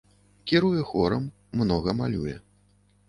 Кіруе хорам, многа малюе.